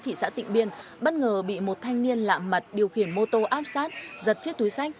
thị xã tịnh biên bất ngờ bị một thanh niên lạm mặt điều khiển mô tô áp sát giật chiếc túi sách